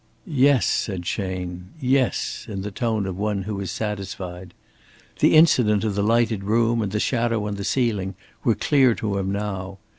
"Yes," said Chayne. "Yes," in the tone of one who is satisfied. The incident of the lighted room and the shadow on the ceiling were clear to him now.